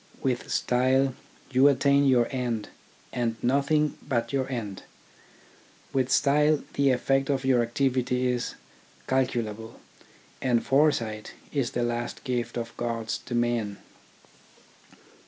With style you attain your end and nothing but your end. With style the effect of your activity is calculable, and foresight is the last gift of gods to men.